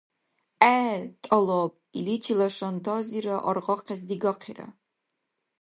ГӀе, тӀалаб... Иличила шантазира аргъахъес дигахъира.